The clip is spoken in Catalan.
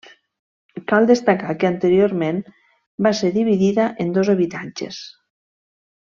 Cal destacar que anteriorment va ser dividida en dos habitatges.